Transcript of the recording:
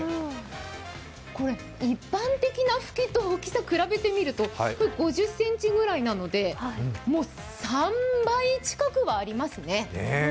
これ一般的なふきと大きさを比べてみると５０ｃｍぐらいなのでもう３倍近くはありますね。